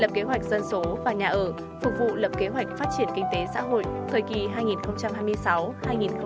lập kế hoạch dân số và nhà ở phục vụ lập kế hoạch phát triển kinh tế xã hội thời kỳ hai nghìn hai mươi sáu hai nghìn ba mươi